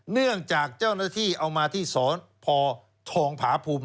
เนื่องจากเจ้าหน้าที่เอามาที่สพทองผาภูมิ